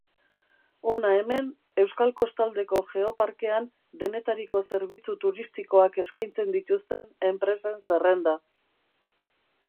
Hona hemen Euskal Kostaldeko Geoparkean denetariko zerbitzu turistikoak eskaintzen dituzten enpresen zerrenda.